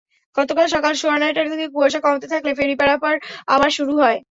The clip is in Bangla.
গতকাল সকাল সোয়া নয়টার দিকে কুয়াশা কমতে থাকলে ফেরি পারাপার আবার শুরু হয়।